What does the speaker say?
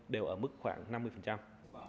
đều ở mức khoảng năm mươi